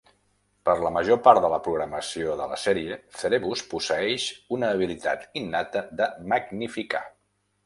Per la major part de la programació de la sèrie, Cerebus posseeix una habilitat innata de "magnificar".